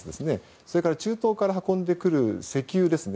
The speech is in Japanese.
それから中東から運ぶ石油ですね。